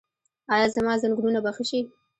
ایا زما زنګونونه به ښه شي؟